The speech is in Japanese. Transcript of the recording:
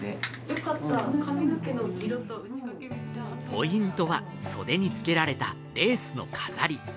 ポイントは、袖につけられたレースの飾り。